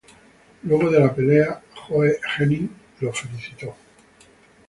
Luego de la pelea Joe Hennig lo felicitó.